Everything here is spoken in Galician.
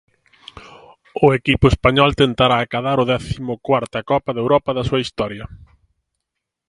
O equipo español tentará acadar a décimo cuarta Copa de Europa da súa historia.